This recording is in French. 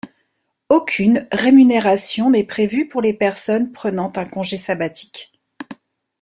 Aucune rémunération n'est prévue pour les personnes prenant un congé sabbatique.